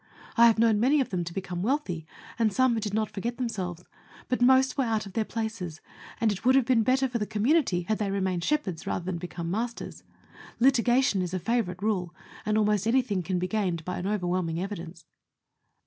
I have known many of them to become wealthy, and some who did not forget themselves ; but most were out of their places, and it would have been better for the community had they remained shepherds rather than become masters. Litigation is a favourite rule, and almost anything can be gained by an overwhelming evidence.